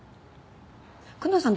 久能さん